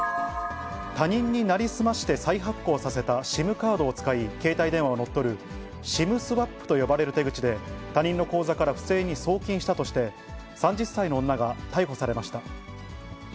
他人に成り済まして再発行させたＳＩＭカードを使い、携帯電話を乗っ取る、ＳＩＭスワップと呼ばれる手口で、他人の口座から不正に送金したとして、３０歳の女が逮捕されました。